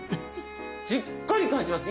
しっかり感じます。